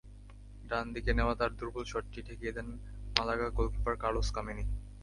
ডান দিকে নেওয়া তাঁর দুর্বল শটটি ঠেকিয়ে দেন মালাগা গোলকিপার কার্লোস কামেনি।